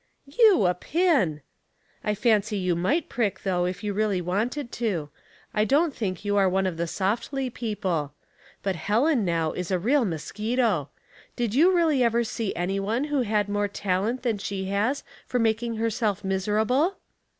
" You a pin ! I fancy you might prick, though, if you really wanted to. I don't think you are one of the softly people ; but Helen, now, is a real mosquito. Did you really ever Bee any one who had more talent than slie has for making herself miserable?"